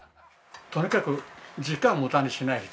とにかく時間無駄にしない人ね。